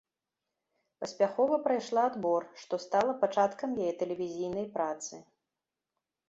Паспяхова прайшла адбор, што стала пачаткам яе тэлевізійнай працы.